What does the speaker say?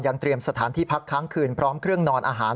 เตรียมสถานที่พักค้างคืนพร้อมเครื่องนอนอาหาร